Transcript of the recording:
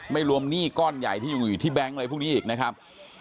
ไม่รวมหนี้ก้อนใหญ่ที่อยู่ที่แก๊งอะไรพวกนี้อีกนะครับ